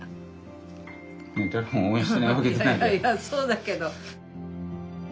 そうだけど。